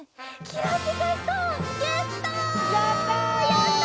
やった！